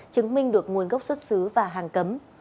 chứng minh được nguồn gốc xuất xứ và hàng cấm